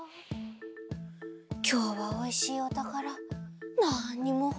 きょうはおいしいおたからなんにもほりだせなかったね。